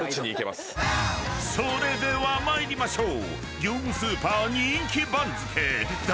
［それでは参りましょう］